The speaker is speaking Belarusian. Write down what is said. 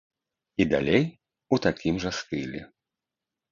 І далей у такім жа стылі.